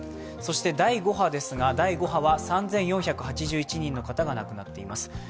そして第５波は３４８１人の方が亡くなっています。